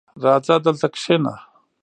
• راځه، دلته کښېنه.